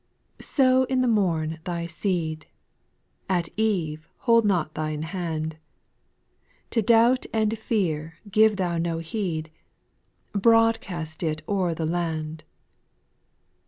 QOW in the morn thy seed, O At eve hold not thine hand ; To doubt and fear give thou no heed, — Broad cast it o'er the land.